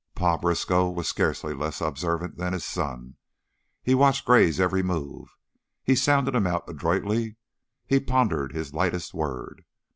Pa Briskow was scarcely less observant than his son. He watched Gray's every move; he sounded him out adroitly; he pondered his lightest word.